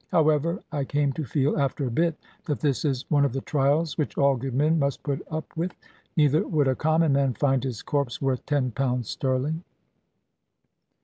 However, I came to feel, after a bit, that this is one of the trials which all good men must put up with: neither would a common man find his corpse worth ten pounds sterling.